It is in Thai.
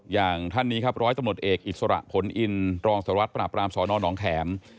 อย่างท่านนี้ครับร้อยตำรวจเอกอิสระผลอินรองสารวัตรปราบรามสอนอนองแข็ม